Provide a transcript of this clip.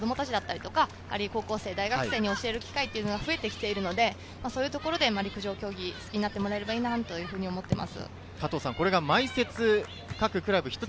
子供たちや高校生、大学生に教える機会が増えてきているので、そういうところで陸上競技を好きになってもらえるといいと思います。